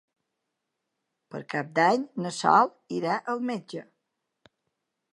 Per Cap d'Any na Sol irà al metge.